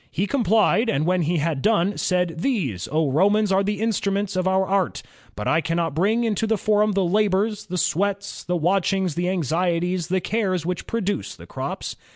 He complied, and when he had done, said, 'These, Romans, are the instruments of our art, but I cannot bring into the foriun the labors, the sweats, the watchings, the anxieties, the cares which produce the crops.'